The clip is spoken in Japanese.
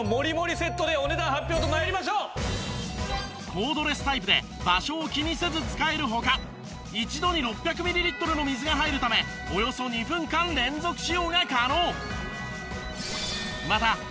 コードレスタイプで場所を気にせず使える他一度に６００ミリリットルの水が入るためおよそ２分間連続使用が可能。